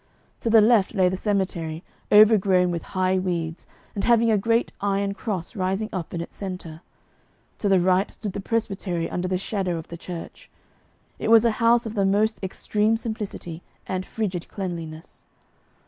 To the left lay the cemetery, overgrown with high weeds, and having a great iron cross rising up in its centre; to the right stood the presbytery under the shadow of the church. It was a house of the most extreme simplicity and frigid cleanliness.